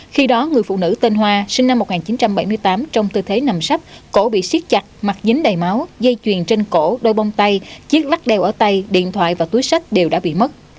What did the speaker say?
khi đó người phụ nữ tên hoa sinh năm một nghìn chín trăm bảy mươi tám trong tư thế nằm sắp cổ bị siết chặt mặt dính đầy máu dây chuyền trên cổ đôi bông tay chiếc lắc đeo ở tay điện thoại và túi sách đều đã bị mất